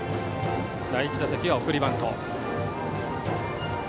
第１打席は送りバント。